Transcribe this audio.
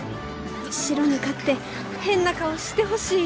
白に勝って変な顔をしてほしい！